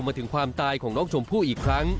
มาถึงความตายของน้องชมพู่อีกครั้ง